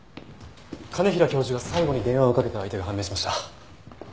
兼平教授が最後に電話をかけた相手が判明しました。